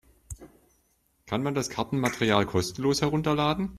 Kann man das Kartenmaterial kostenlos herunterladen?